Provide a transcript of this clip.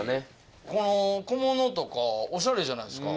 この小物とかオシャレじゃないですか？